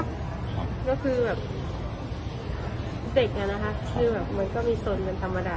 ก็คือแบบเด็กอะนะคะคือแบบมันก็มีส่วนเป็นธรรมดา